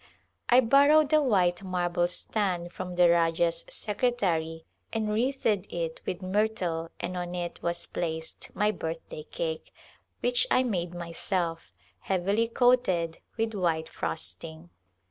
I borrowed a white marble stand from the Rajah's secretary and wreathed it with myrtle and on it was placed my birthday cake — which I made myself — heavily coated with white frosting.